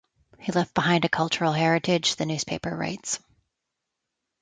He left behind a cultural heritage, the newspaper writes.